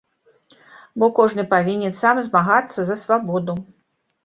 Бо кожны павінен сам змагацца за свабоду.